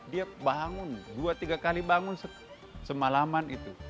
dia bangun dua tiga kali bangun semalaman itu